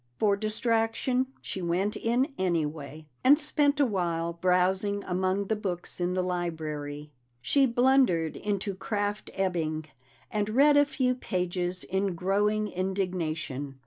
For distraction, she went in anyway, and spent a while browsing among the books in the library. She blundered into Kraft Ebing, and read a few pages in growing indignation.